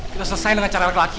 kita selesai dengan cara laki laki